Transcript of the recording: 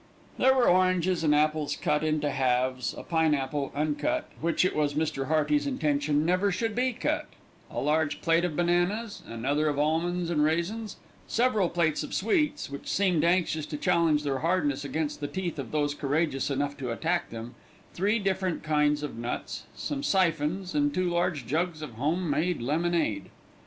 There were oranges and apples cut into halves, a pineapple, uncut, and which it was Mr. Hearty's intention never should be cut, a large plate of bananas, another of almonds and raisins, several plates of sweets, which seemed anxious to challenge their hardness against the teeth of those courageous enough to attack them, three different kinds of nuts, some syphons, and two large jugs of home made lemonade.